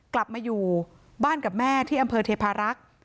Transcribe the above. กลับมาอยู่บ้านกับแม่ที่อำเภอเทพารักษ์